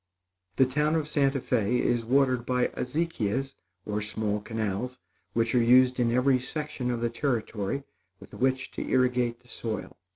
The town of Santa Fé is watered by azequias or small canals, which are used in every section of the Territory, with which to irrigate the soil.